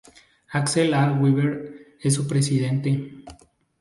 Axel A. Weber es su presidente.